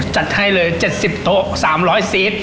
จัดให้เลย๗๐โต๊ะ๓๐๐ซีส